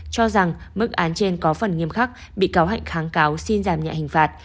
cho rằng mức án trên có phần nghiêm khắc bị cáo hạnh kháng cáo xin giảm nhẹ hình phạt